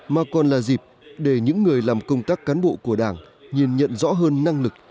mà còn là dịp để những người làm công tác cán bộ của đảng nhìn nhận rõ hơn năng lực